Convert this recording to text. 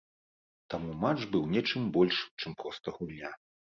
Таму матч быў нечым большым, чым проста гульня.